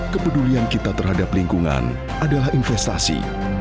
kepedulian kita terhadap lingkungan adalah investasi